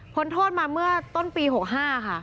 โทษมาเมื่อต้นปี๖๕ค่ะ